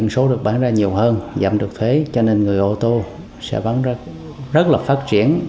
số được bán ra nhiều hơn giảm được thế cho nên người ô tô sẽ rất là phát triển